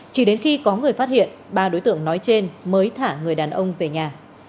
chỉ đến khi có người phát hiện ba đối tượng nói trên mới thả người đàn ông về nhà